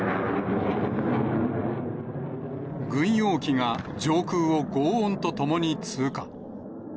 軍用機が上空をごう音とともに通過。